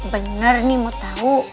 bener nih mau tau